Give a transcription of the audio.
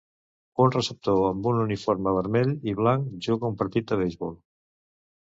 Un receptor amb un uniforme vermell i blanc juga un partit de beisbol.